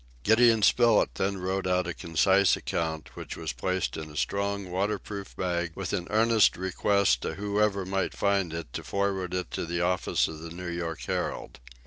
Gideon Spilett then wrote out a concise account, which was placed in a strong waterproof bag, with an earnest request to whoever might find it to forward it to the office of the New York Herald.